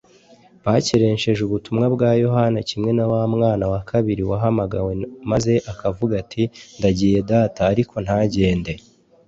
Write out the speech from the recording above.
’ bakerensheje ubutumwa bwa yohana kimwe na wa mwana wa kabiri wahamagawe maze akavuga ati: ‘ndagiye data,’ ariko ntagende,